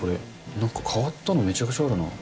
なんか変わったのめちゃくちゃあるな。